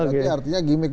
berarti artinya gimik